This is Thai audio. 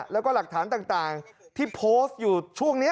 แล้วก็หลักฐานต่างที่โพสต์อยู่ช่วงนี้